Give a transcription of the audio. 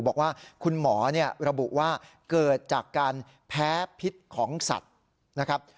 บอกว่าคุณหมอระบุว่าเกิดจากการแพ้พิษของสัตว์นะครับ